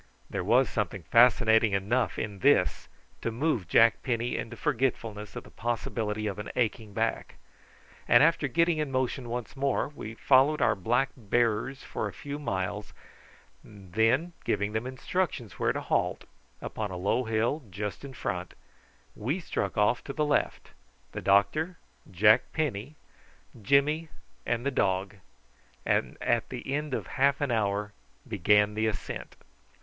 There was something fascinating enough in this to move Jack Penny into forgetfulness of the possibility of an aching back; and after getting in motion once more, we followed our black bearers for a few miles, and then giving them instructions where to halt upon a low hill just in front we struck off to the left, the doctor, Jack Penny, Jimmy, and the dog, and at the end of half an hour began the ascent.